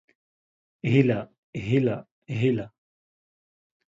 هيله هيله هيله